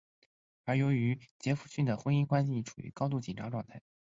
而由于杰佛逊的婚姻关系处于高度紧张状态。